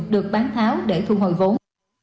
được bán tháo để thu hồi vốn